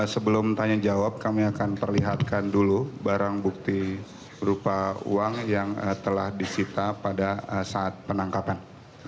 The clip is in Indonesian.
sebelum tanya jawab kami akan perlihatkan dulu barang bukti berupa uang yang telah disita pada saat penangkapan